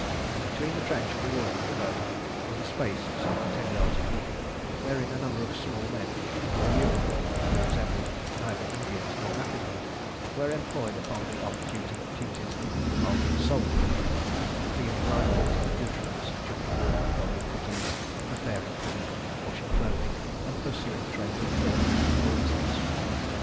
Between the trench and the wall of the boma was a space some ten yards in width, wherein a number of small men in blue uniform, who resembled neither Indians nor Africans, were employed upon the off duty duties of the soldier—cleaning rifles and accoutrements, chopping wood, rolling puttees, preparing food, washing clothing, and pursuing trains of thought or insects.